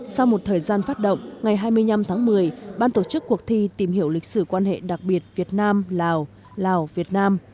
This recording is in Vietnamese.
sau một thời gian phát động ngày hai mươi năm tháng một mươi ban tổ chức cuộc thi tìm hiểu lịch sử quan hệ đặc biệt việt nam lào lào việt nam